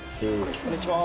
こんにちは。